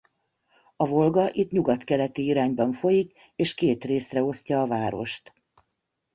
A Volga itt nyugat-keleti irányban folyik és két részre osztja a várost.